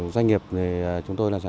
doanh nghiệp thì chúng tôi là sản phẩm